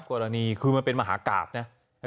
กรณีคือมันเป็นมหากราบนะ